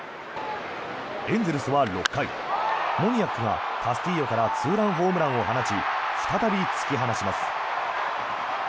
エンゼルスは６回モニアックがカスティーヨからツーランホームランを放ち再び突き放します。